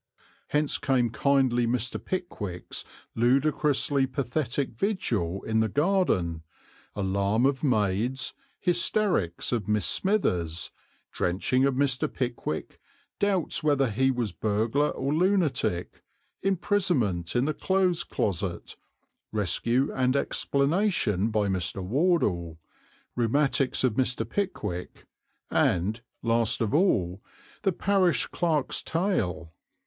Hence came kindly Mr. Pickwick's ludicrously pathetic vigil in the garden, alarm of maids, hysterics of Miss Smithers, drenching of Mr. Pickwick, doubts whether he was burglar or lunatic, imprisonment in the Clothes Closet, rescue and explanation by Mr. Wardle, rheumatics of Mr. Pickwick, and, last of all, the Parish Clerk's tale.